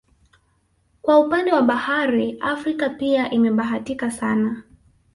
Kwa upande wa bahari Afrika pia imebahatika sana